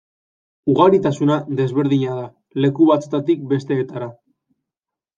Ugaritasuna desberdina da leku batzuetatik besteetara.